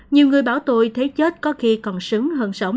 nhiều người bảo tôi thấy chết có khi còn sứng